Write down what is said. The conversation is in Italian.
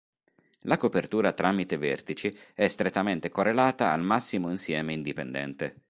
La copertura tramite vertici è strettamente correlata al massimo insieme indipendente.